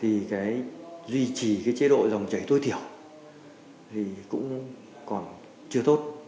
thì cái duy trì cái chế độ dòng chảy tối thiểu thì cũng còn chưa tốt